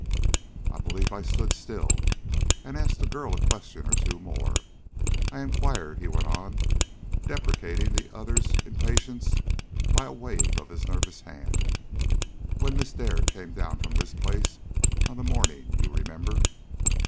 "I believe I stood still and asked the girl a question or two more. I inquired," he went on, deprecating the other's impatience by a wave of his nervous hand, "when Miss Dare came down from this place on the morning you remember.